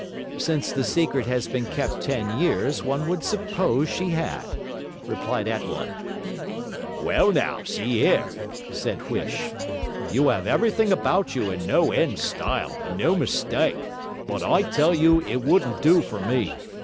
'Since the secret has been kept ten years, one would suppose she had,' replied Attwater. 'Well, now, see 'ere!' said Huish. 'You have everything about you in no end style, and no mistake, but I tell you it wouldn't do for me.